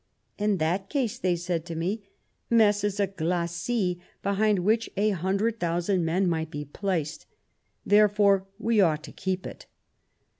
In that case, they said to me : Metz is a glacis behind which a hundred thousand men might be placed ; therefore we ought to keep it.